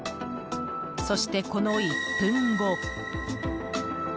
そして、この１分後。